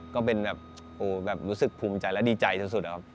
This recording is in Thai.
ก็เป็นแบบรู้สึกภูมิใจและดีใจสุดนะครับ